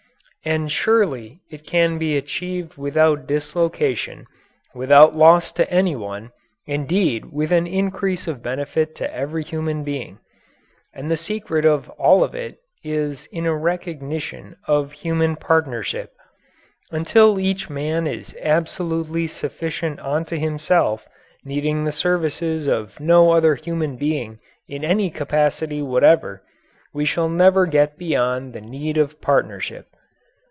And surely it can be achieved without dislocation, without loss to any one, indeed with an increase of benefit to every human being. And the secret of it all is in a recognition of human partnership. Until each man is absolutely sufficient unto himself, needing the services of no other human being in any capacity whatever, we shall never get beyond the need of partnership.